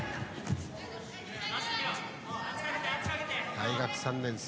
大学３年生。